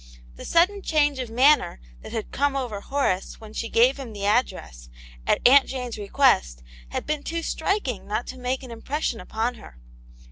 The sudden change of manner that had come over Horace when she gave him the address, zX Aunt Jane's request, had been too striking not to make an impression upon her.